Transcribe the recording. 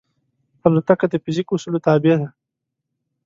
الوتکه د فزیک اصولو تابع ده.